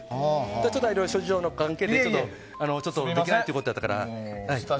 ただ、それは諸事情の関係でできないということだったから。